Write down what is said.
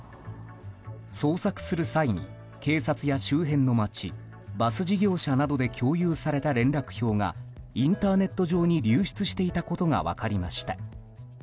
捜索する際に、警察や周辺の町バス事業者などで共有された連絡票がインターネット上に流出していたことが分かりました。